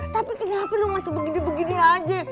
tapi kenapa lo masih begini begini aja